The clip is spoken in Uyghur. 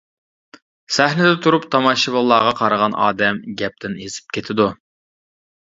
سەھنىدە تۇرۇپ تاماشىبىنلارغا قارىغان ئادەم گەپتىن ئېزىپ كېتىدۇ.